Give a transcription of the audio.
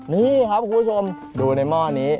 นี่ครับคุณผู้ชมดูในหม้อนี้